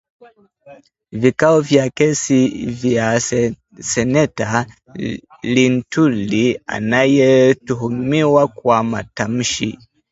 Vikao vya kesi vya seneta Linturi anayetuhumiwa kwa matamshi